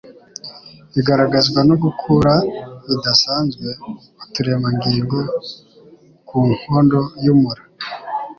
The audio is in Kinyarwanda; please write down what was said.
igaragazwa no gukura bidasanzwe 'uturemangingo ku nkondo y'umura.